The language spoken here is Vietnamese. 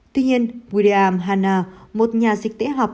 tuy nhiên william hanna một nhà dịch tễ học